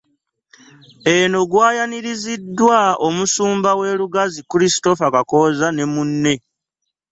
Eno gwayaniriziddwa Omusumba w’e Lugazi, Christopher Kakooza ne munne.